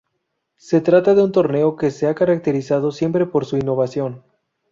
Se trata de un torneo que se ha caracterizado siempre por su innovación.